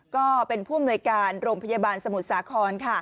ก็เป็นผู้อำนวยการโรงพยาบาลสมุทรสาคร